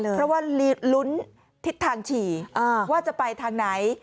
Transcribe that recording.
เพราะว่าลุ้นทิศทางฉี่ว่าจะไปทางไหน